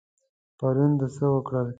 پرون د څه وکړل؟